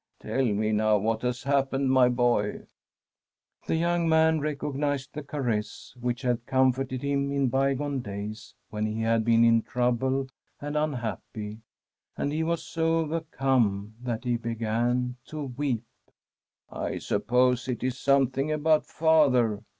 ' Tell me now what has happened, my boy.* The young man recognised the caress which had comforted him in bygone days when he had I 304 1 Tbi PEACE $f GOD been in trouble and unhappy, and he was so over come that he be^n to weep. ' I suppose it IS something about father